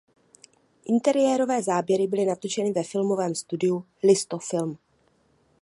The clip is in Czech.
Interiérové záběry byly natočeny ve filmovém studiu Listo–Film.